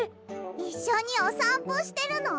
いっしょにおさんぽしてるの？